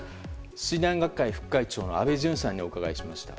水難学会副会長の安倍淳さんに伺いました。